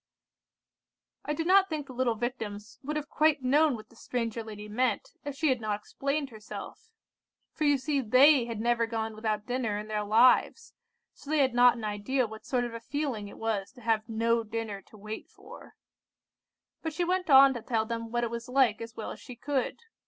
"I do not think the little Victims would have quite known what the stranger lady meant, if she had not explained herself; for you see they had never gone without dinner in their lives, so they had not an idea what sort of a feeling it was to have no dinner to wait for. But she went on to tell them what it was like as well as she could.